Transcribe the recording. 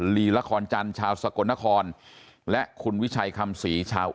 ลีละคอนจันชาวสะกลนะคอนและคุณวิชัยคำศีชาว